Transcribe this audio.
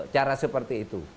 cara seperti itu